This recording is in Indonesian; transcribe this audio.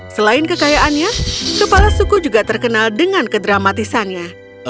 selain kekayaannya kepala suku juga terkenal dengan kedramatisannya